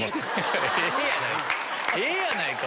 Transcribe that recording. ええやないか！